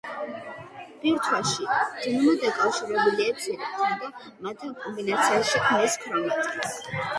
ბირთვში, დნმ დაკავშირებულია ცილებთან და მათთან კომბინაციაში ქმნის ქრომატინს.